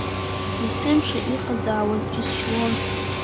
Есымша иҟазаауаз џьысшьалон.